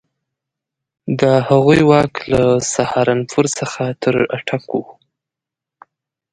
د هغوی واک له سهارنپور څخه تر اټک وو.